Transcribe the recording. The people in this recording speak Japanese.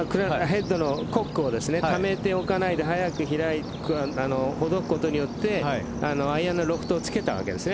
ヘッドをためておかないでコッグを早く開いてほどくことによってアイアンのロフトをつけたわけですね。